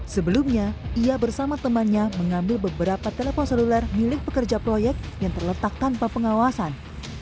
sebelumnya ia bersama temannya mengambil beberapa telepon seluler milik pekerja proyek yang terletak tanpa pengawasan